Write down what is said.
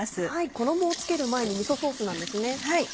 衣を付ける前にみそソースなんですね。